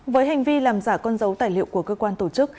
với hành vi làm giả con dấu tài liệu của cơ quan tổ chức